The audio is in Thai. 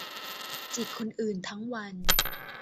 จิกคนอื่นทั้งวัน